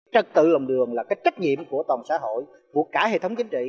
trật tự lòng đường là cái trách nhiệm của toàn xã hội của cả hệ thống chính trị